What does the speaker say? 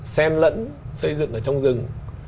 xem lẫn xây dựng ở trong rừng